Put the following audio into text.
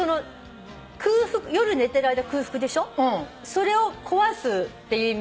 それを壊すっていう意味で。